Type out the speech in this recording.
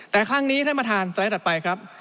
แต่ครั้งนี้ท่านประธานสไลด์ถัดไปครับ